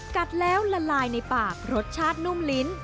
กัดแล้วละลายในปากรสชาตินุ่มลิ้น